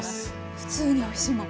「ふつうにおいしいもん」。